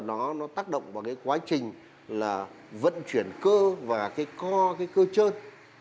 nó tác động vào cái quá trình là vận chuyển cơ và cái co cái cơ trơn